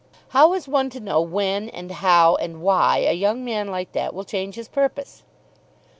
"How is one to know when and how and why a young man like that will change his purpose?"